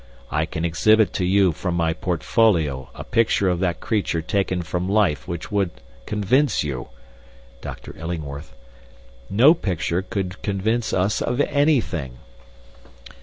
I can exhibit to you from my portfolio a picture of that creature taken from life which would convince you ' "DR. ILLINGWORTH: 'No picture could convince us of anything.'